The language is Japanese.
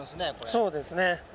そうですね。